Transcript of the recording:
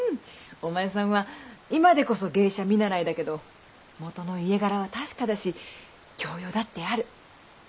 お前さんは今でこそ芸者見習だけどもとの家柄は確かだし教養だってある。